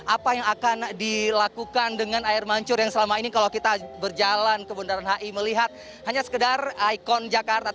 apa yang akan dilakukan dengan air mancur yang selama ini kalau kita berjalan ke bundaran hi melihat hanya sekedar ikon jakarta